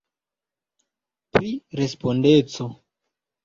Pri respondeco.